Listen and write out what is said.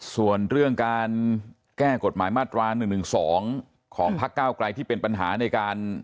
ส่วนเรื่องการแก้กฎหมายมาตรา๑๑๒ของพักเก้าไกลที่เป็นปัญหาในการ